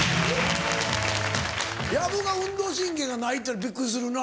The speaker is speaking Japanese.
薮が運動神経がないっていうのはびっくりするな。